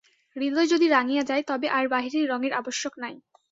হৃদয় যদি রাঙিয়া যায়, তবে আর বাহিরের রঙের আবশ্যক নাই।